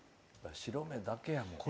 白目だけやもん。